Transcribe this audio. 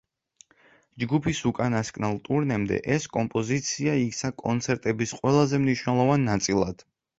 ჯგუფის უკანასკნელ ტურნემდე ეს კომპოზიცია იქცა კონცერტების ყველაზე მნიშვნელოვან ნაწილად.